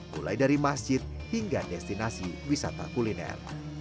mulai dari masjid hingga destinasi wisata kuliner